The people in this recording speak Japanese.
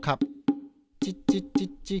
チッチッチッチッ